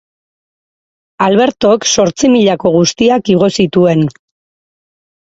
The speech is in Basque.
Albertok zortzimilako guztiak igo zituen.